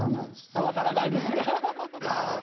あ分からないですか。